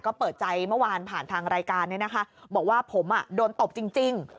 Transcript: ก็เปิดใจเมื่อวานผ่านทางรายการเนี่ยนะคะบอกว่าผมโดนตบจริง